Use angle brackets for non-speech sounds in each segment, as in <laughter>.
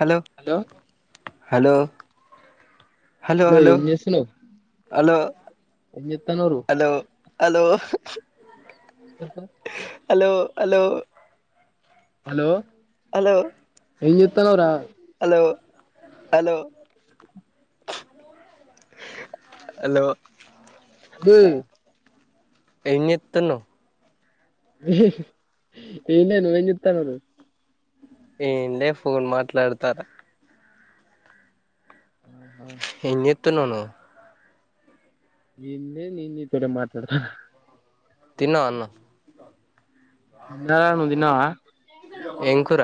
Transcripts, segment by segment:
Hello hello hello hello ఏం చేస్తున్నావ్ hello ఏం చేత్తన్నారు hello hello <inaudible> యహా hello hello hello hello ఏం చేత్తన్నావ్ రా హలో హలో అలో డేయ్ ఏం జేత్తుఉన్నావ్ హే ఎమ్ లేదు నువ్వు ఏం చెత్తుఅన్నావ్ నువ్వు ఏమ్ లే ఫోన్ మాట్లాడతాఅన్నా ఏమ్ చెత్తు ఉన్నావ్ నువ్వు ఏమి లే నేను నీతోడే మాట్లాడుతున్న హ తిన్నావా అన్నం తిన్నా గని నువ్ తిన్నావా ఏం కూర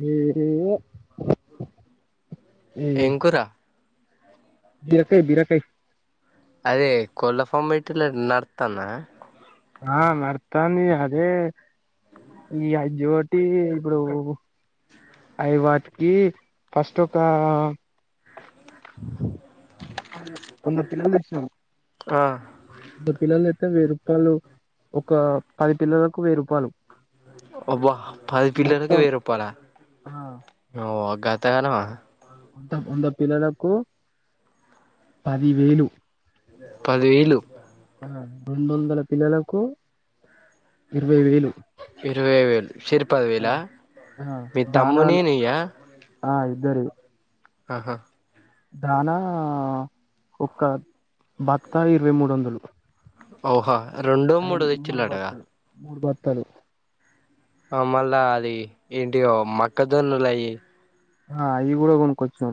మీరు హివ్య ఎం కురా బీరకయి బీరకయి అదే కొళ్ళ ఫాంమ్ పెట్టిలర్ నడత్తందా ఆ నడుత్తాంది అదే ఈ అయోటి ఈ ఇపుడు అయి వాటికి ఫస్ట్ ఒక కొన్ని పిల్లల్ తెచ్చినామ్ ఆ ఇద్దర్ పిల్లలకు వెయ్యి రూపాయలు ఒక పది పిల్లలకు వెయ్యి రూపాలు అవ్యా పది పల్లలకి మొత్తం వెయ్యి రూపాల ఆ అవ్యా ఘతగనవా ఉంతమ్ వంద పిల్లలకు పదివేలు పదివేలు ఆ రెండు వందల పిల్లలకు ఇరవై వేలు ఇరవై వేలు చేరు ఆ పదివేలా ఆ మీ తమ్ముని దానాలు నీ య్యా ఆ ఇద్దరివి అహా థనా ఒక భత్తా ఇరవై మూడు వందలు ఓహా రెండో మూడో తెచ్చింలటగా తలూ అ మళ్ళా అది ఏంటివో మక్క జోన్నలయి ఆ అవి కూడా కొనుకొచ్చాం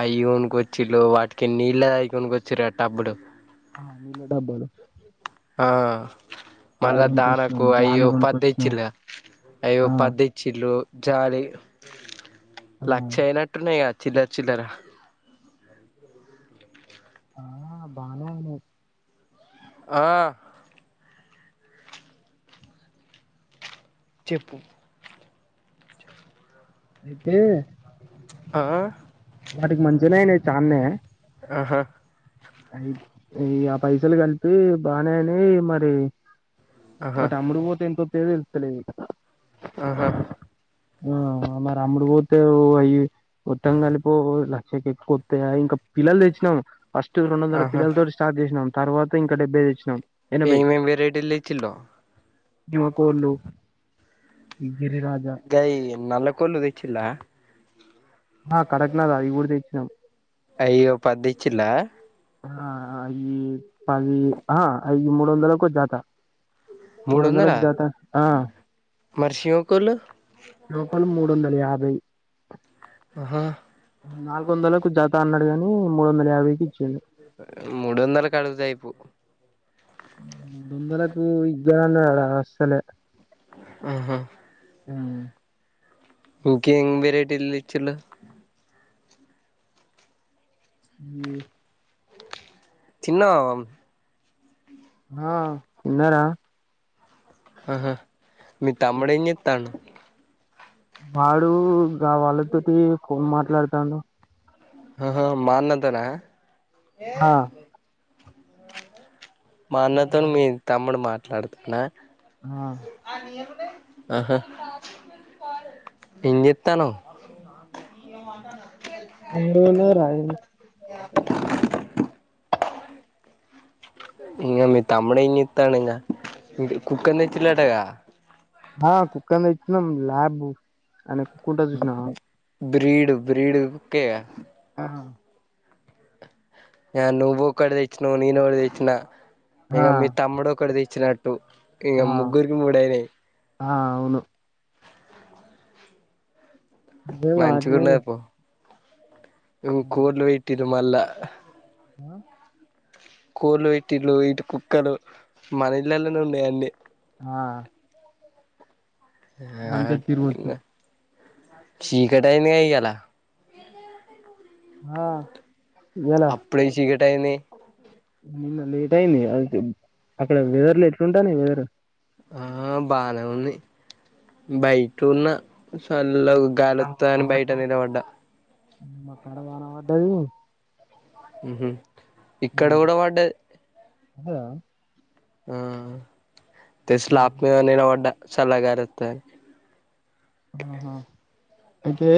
అయి కొనుకొచ్చిల్లు వాటికి నీళ్ళ అయి కొనుకొచ్చిర్రు ఆ టబ్బులు ఆ నీళ్ళ డబ్బాలు ఆ అవి మళ్ళా కొనుక్కొచ్చినాం దానకు అయి ఓ జాలి పది కొనుక్కొచ్చినాం తెచ్చిర్రు కదా అవి ఓ ఆ పది తెచ్చిల్లు జాలి ఆ లక్ష అయినట్టున్నాయి కా చిల్లర చిల్లర ఆ బానే అయినాయి ఆ చెప్పు అయితే ఆ వాటికి మంచిగ నే అయినాయి చాన్నే ఆహా అయి అయి ఆ పైసలు కలిపి బానే అయినాయి మరి ఆహా బట్ అమ్ముడు పోతే ఎంతోత్తయో తేల్తలేదు ఇగ ఆహా ఆ మరి అమ్ముడు పోతే అయి కొత్తం కలిపో లక్షకి ఎక్కువొత్తాయా ఇంకా పిల్లలు తెచ్చినాం ఫస్ట్ రోండొందల ఆహా పిల్లలతోటి స్టార్ చేసినా తరవాత ఇంకా డెబ్బై తెచ్చాం ఏమేమి వైరేటీలు తిచ్చిల్లో నిమ కోళ్లు మ్మ్ గయి నల్ల కోళ్ళు తెచ్చిల్ల ఆ కడక్నాద్ అయి కూడా తెచ్చినాం అయి ఓ పది తెచ్చిల్ల ఆ అయి పది ఆ అయి మూడు వందలకు జత మూడు వందలకు జత ఆ మరి శివ కోళ్ళు లోకల్ మూడు వందల యాభై ఆహా నాలుగు వందలకు జత అన్నడు గాని మూడు వందల యాభైకి ఇచ్చిండు మూడు వందలకి అడిగితే అయిపోవ్ మూడు వందలకు ఇయ్యాల వస్తలే ఆహా హ్మ్ ఇంకేం వెరైటీలు తెచ్చిల్లు ఏ చిన్న మ్మ్ ఆ తిన్నార ఆహా మీ తమ్ముడు ఏం చెత్తండు వాడు గావాళ్ళతోటి ఫోన్ మాట్లాడుతాండు ఓహో మా అన్నతో నా ఆ మా అన్నతోనీ మీ తమ్ముడు మాట్లాడుతుండ ఆ ఆహా ఏం చెత్తన్నావ్ ఇంగ మీ తమ్ముడు ఏం చెత్తండు ఇంగ కుక్కను తెచ్చిండు అంటగా అ కుక్కను తెచ్చినము ల్యాబ్ ఆయనకు బ్రీడ్ బ్రీడ్ కుక్కేగా ఆ ఎ అ నువ్వు ఒకటి తెచ్చినావు, నేను ఒకటి తెచ్చిన ఇగ ఆ మీ తమ్ముడు ఒకటి తెచ్చినాడు. ఇగా ఆ ముగ్గురికి మూడ అయినాయి ఆ అవును అదే వాటిని మంచిగున్నావ్ పో ఇ కూర్లు వెట్టినే మళ్ళ కోళ్లు పెటిలు ఇటు కుక్కలు మన ఇళ్లలోనే ఉన్నాయి అన్ని ఆ మంచిగా తిరగొచ్చు యాక్టింగ్ చీకటైందిగా ఇయాల ఆ ఇయ్యాల అప్పుడే చీకటి అయింది నిన్న లేట్ అయింది అ అక్కడ వెదర్ ఎట్లుంటా వెదర్ ఆ బానే ఉంది బయట ఉన్న నిన్న చల్ల మాకాడ గాలొత్తా అని బయట నిలబడ్డ మకాడ వాన వడ్డది ఉ ఇక్కడ కూడా వడ్డది అద ఆ దె స్లాబ్ కు నిలబడ్డ చల్లగాలు వస్తదని ఆహా అంటే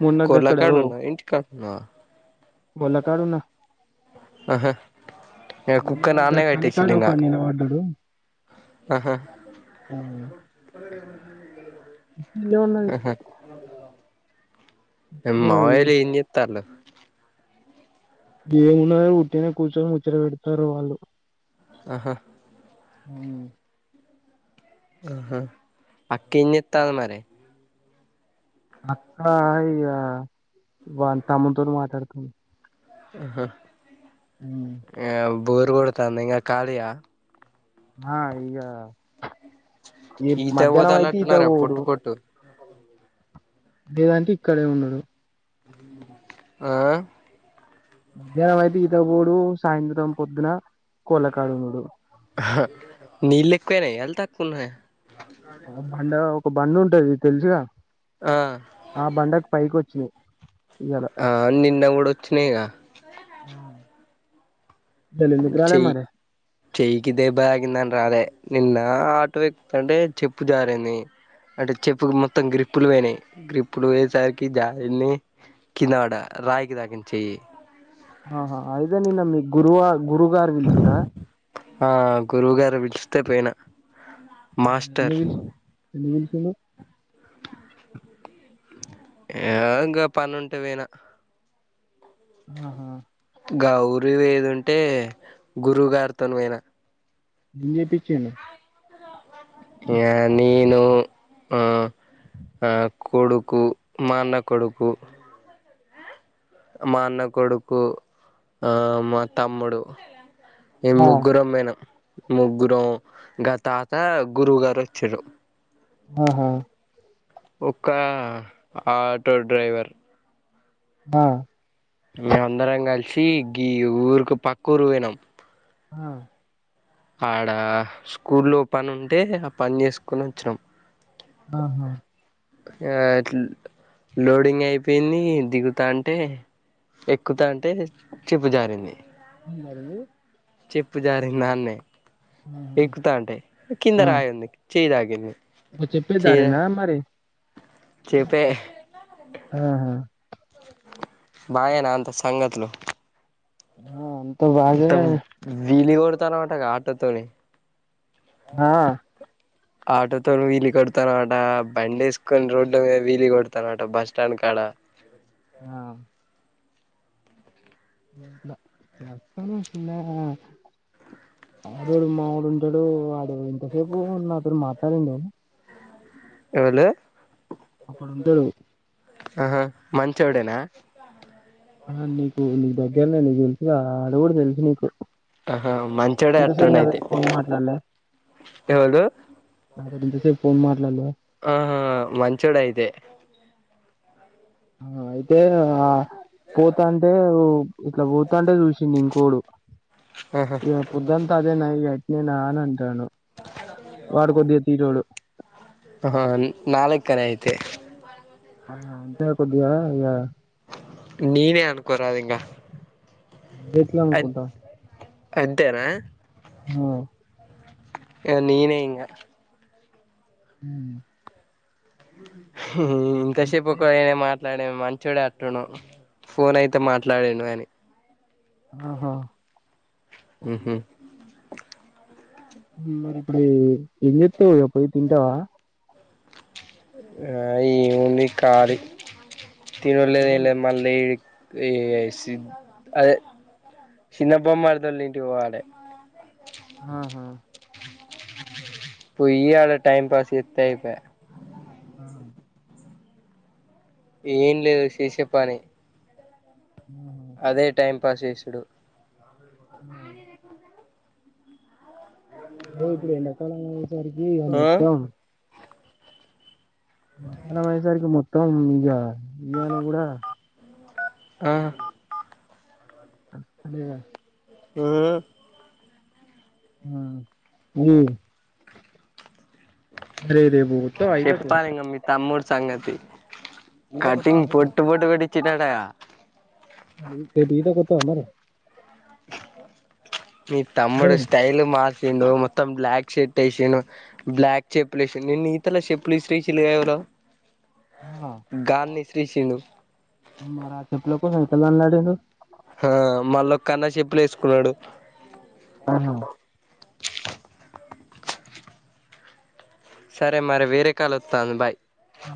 మున్నగ్గక్కడ ఓ నా బోల్ల కడున్నా ఆహా ఇగ మున కుక్క నాన్నే ధకా నీకా కట్టేసిండు డా ఇంగ ఒకడు నిలబడ్డాడు. అ లోపల లేదు అహ య అది మావోలు ఏం జేత్తల్లు ఏమున్నో ఉట్టినే కూర్చొని ముచ్చట పెడతారు వాళ్ళు ఆహా అ ఆహా అక్క ఏం చేత్తాంది మరి అక్క ఇగ వాని తమ్ముతో మాట్లాడుతుంది. ఆహ యవ్ బోరు కొడతాంది ఇంగ కాళీయ ఆ ఇంగ ఈ ఈత మధ్యాహ్నం అయితే ఇదో పోతాలంటున్నారా ఊరు పొట్టు పొట్టు లేదంటే ఇక్కడే ఉన్నడు ఆ ఏమయితే ఈతపోడు సాయంత్రం పొద్దున కోలకడ ఉన్నడు నేనె ఎల్ తాక్కున్ననే అండ్ ఒక బండి ఉంటది తెలుసుగా ఆ ఆ బండకు పైకి వచ్చినాయ్. ఆ నిన్న కూడా వచ్చినాయిగ ఆ చె చెయకి దెబ్బ తగ్గి నిన్న నేను రాలే నిన్న ఆటో ఎక్క చెప్పు జారింది అంటే చెప్పు మొత్తం గ్రిప్పులు పోయినాయి గ్రిప్పులు పోయేసరికి జారిని కిినడ రాయికి తాగం చెయి ఆహా అయితే నిన్న మీ గురువ గురుగారు పిలిచిరా ఆ గురువు గారు పిలిస్తే పోయినా మాస్టర్ ఎందుకు పిలిచి ఎందుకు పిలిచిండు ఏ గా పని ఉంటే పోయినా ఆహా గౌరు ఏదుంటే గురువుగారితో పోయిన <unintelligible> ఏ నీను ఆ కొడుకు మా అన్న కొడుకు మా అన్న కొడుకు మా తమ్ముడు మేము ఆ ముగ్గురం పోయినం ముగ్గురం గా తాత గురువు గారు వచ్చారు ఆహా ఒక్క ఆటో డ్రైవర్ ఆ చి గీ ఊరుకి పక్కూరు ఆ ఆడ స్కూల్లో పని ఉంటే ఆ పని చేసుకొని వచ్చినం ఆహా ఆ లోడింగ్ అయిపోయింది దిగుతాంటే ఎక్కుతా అంటే చెప్పు జారింది ఏంటరింది చెప్పు జారిన అన్నే ఆహా ఎక్కుతా అంటే కింద రాయి ఉంది చెయ్ తాకింది ఓ చెప్పేజారిందా మరి చూపే ఆహా బాగేనా అంతా సంగతులు ఆ మత్త బాగే విలు కొడతనమాటగా ఆటోతోని ఆ ఆటోతోను వీలు కొడతానమాట బండి వేసుకొని రోడ్ల మీద వీలు కొడానట బస్ స్టాండ్ కాడ ఆ <unintelligible> ఆడడు మాముడు ఉంటాడు ఆడ ఇంతసేపు నాతోడు మాట్లాడండే ఎవలు అక్కడు ఉంటాడు ఆహా మంచోడే నా ఆ నీకు నీ దగ్గరనే నీకు తెలిసు ఆడ కూడా తెలుసు నీకు ఆహా మంచోడే ఇంతసేపు అట్టుండయితే నాతోని ఫోన్ మాట్లాడలే ఎవడు నాతో ఇంతసేప్ ఫోన్ మాట్లాలే ఆహా మంచోడు అయితే అయితే ఆ పోతాంటే ఇట్ల పోతాంటే చూసిండు ఇంకోడు ఆహా ఇగ పొద్దంతా అదేనా ఇగ నేనానంటాను వాడు కొద్దిగ తీటోడు ఆహా నాలెక్కనే అయితే ఆ అంటే కొద్దిగా ఇగ. నేనే అనుకోరాదింగ. అదెట్లనుకుంటా. అంతేనా. హా. ఏ నీనే ఇంగ. హ్మ్. హ్మ్ ఇంతసేపు అయితే ఒకాయన మార్ట్. అట్లాండు మంచడే అంటుండు ఫోన్ అయితే మాట్లాడిండు కానీ. ఆహా. ఉహు. ఉమ్ మరి ఇప్పుడు ఏంజెత్తవ్ ఇగ పోయి తింటవా. ఆ ఏముంది కాలి తినుల్లేద్ ఏం లేద్ మళ్లీ. ఏ సిద్ అదే చిన్న బామ్మర్ది వాళ్ళ ఇంటికి పోవాలి. ఆహ. పొయ్యి ఆడ టైం పాస్ చేతే అయిపోయి. ఆహా ఏం లేదు శేశె పని. ఉ అదే టైం పాస్ చేసిండు. ఉమ్. బ్రో ఇప్పుడు ఎండాకాలం అయ్యేసరికి ఇగ ఆ మొత్తం. మకాల వయసరికి మొత్తం ఇక ఇయన కూడా. ఆ. అ అది. ఉమ్. ఉమ్ ఇది. అరే రేపు వస్తావా ఈతకు. చెప్పాలి ఇంగ మీ తమ్ముడు సంగతి ఈతకు వత్తవా కటింగ్ రేపు పొట్టు పొట్టు కోట్టించిండటగ. రేపు ఈత కొత్తవమరీ. మీ తమ్ముడు స్టైల్ మారింది. ఏందో మొత్తం బ్లాక్ షట్ వేసిండు బ్లాక్ చెప్పులు వేసిండు నిను ఇతల చెప్పులు ఎసిరెసీలు కదా ఎవరో. ఆ ఇసిరేసిండు మరా చెప్పులక్. పోనీ ఎంతమంది అదిలు. ఆ మళ్ళొకన్న చెప్పులేసుకున్నడు. ఆహా. సరే మరె వేరే కాలొత్తాంది బాయ్. ఆ.